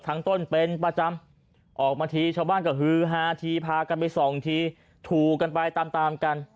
ต้นเป็นประจำออกมาทีชาวบ้านก็ฮือฮาทีพากันไปส่องทีถูกกันไปตามตามกัน